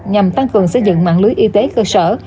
nhằm tăng cường xây dựng mạng lưới y tế cơ sở